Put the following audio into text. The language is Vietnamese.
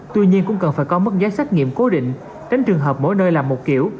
tuy nhiên cũng cần phải có mức giá xét nghiệm cố định tránh trường hợp mỗi nơi làm một kiểu